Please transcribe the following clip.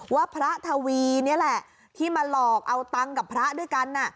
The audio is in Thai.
ว่าพระทวีนี่แหละที่มาหลอกเอาตังค์กับพระด้วยกัน